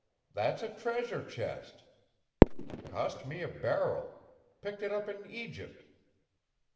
"That's a treasure chest. Cost me a barrel picked it up in Egypt."